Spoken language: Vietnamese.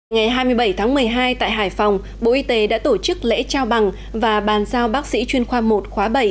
ngày hai mươi bảy tháng một mươi hai tại hải phòng bộ y tế đã tổ chức lễ trao bằng và bàn giao bác sĩ chuyên khoa một khóa bảy